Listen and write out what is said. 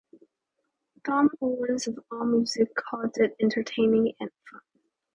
Thom Owens of Allmusic called it "entertaining" and "fun".